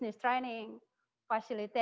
anda terkait dengan covid sembilan belas